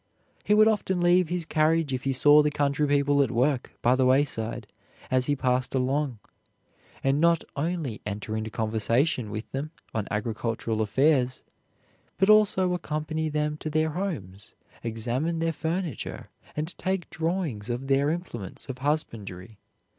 He would often leave his carriage if he saw the country people at work by the wayside as he passed along, and not only enter into conversation with them on agricultural affairs, but also accompany them to their homes, examine their furniture, and take drawings of their implements of husbandry.